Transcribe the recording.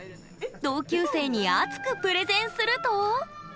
同級生に熱くプレゼンすると。